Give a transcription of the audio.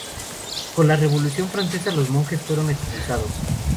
Con la Revolución Francesa, los monjes fueron expulsados.